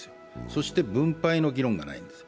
そして分配の議論がないんです。